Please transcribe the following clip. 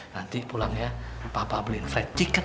nanti pulangnya papa beliin fried chicken